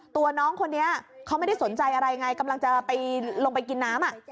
ตัวน้องคนนี้เขาไม่ได้สนใจอะไรไงกำลังจะไปลงไปกินน้ำ